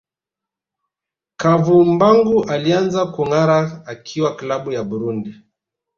Kavumbagu alianza kungara akiwa klabu ya Burundi